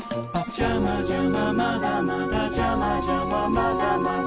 「ジャマジャマまだまだジャマジャマまだまだ」